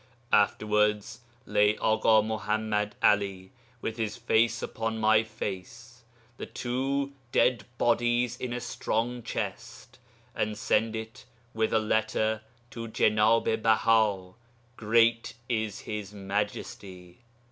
Afterwards lay Aḳa Muḥammad 'Ali with his face upon my face the two (dead) bodies in a strong chest, and send it with a letter to Jenab i Baha (great is his majesty!).